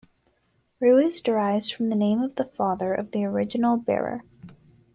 Ruiz derives from the name of the father of the original bearer.